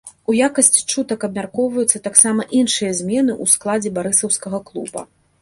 У якасці чутак абмяркоўваюцца таксама іншыя змены ў складзе барысаўскага клуба.